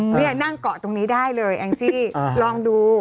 นี่นั่งเกาะตรงนี้ได้เลยแองจี้ลองดู